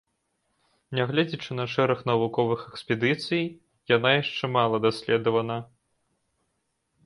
Нягледзячы на шэраг навуковых экспедыцый, яна яшчэ мала даследавана.